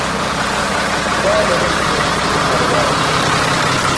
ހިނގައިލެވެނީ ވެސް އެފަރުވާ އިން